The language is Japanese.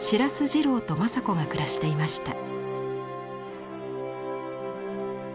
次郎と正子が暮らしていました。